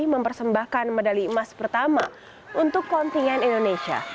mempersembahkan medali emas pertama untuk kontingen indonesia